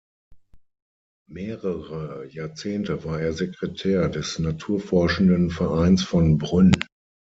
Mehrere Jahrzehnte war er Sekretär des Naturforschenden Vereins von Brünn.